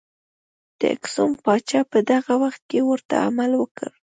د اکسوم پاچا په دغه وخت کې ورته عمل وکړ.